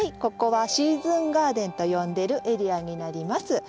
ここは「シーズンガーデン」と呼んでるエリアになります。